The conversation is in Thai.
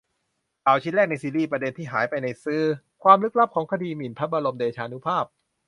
ข่าวชิ้นแรกในซีรีส์ "ประเด็นที่หายไปในสื่อ" : ความลึกลับของคดีหมิ่นพระบรมเดชานุภาพ